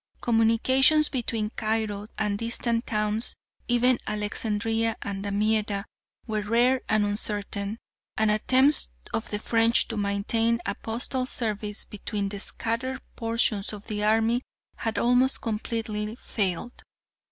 Communications between Cairo and distant towns, even Alexandria and Damietta, were rare and uncertain, and the attempts of the French to maintain a postal service between the scattered portions of the army had almost completely failed.